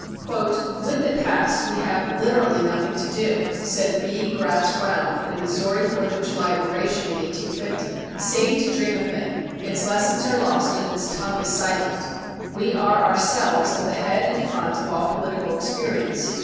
"With the Past we have literally nothing to do," said B. Gratz Brown in a Missouri Fourth of July oration in 1850, "save to dream of it. Its lessons are lost and its tongue is silent. We are ourselves at the head and front of all political experience.